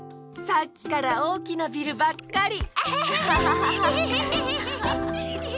さっきからおおきなビルばっかり！